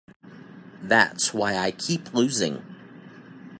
That's why I keep losing.